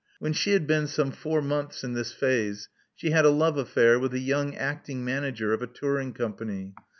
When she had been some four months in this phase, she had a love affair with a young acting manager of a touring company.